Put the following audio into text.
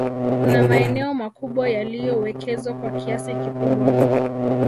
kuna maeneo makubwa yaliyowekezwa kwa kiasi kikubwa